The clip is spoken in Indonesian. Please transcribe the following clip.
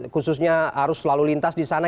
khususnya arus lalu lintas di sana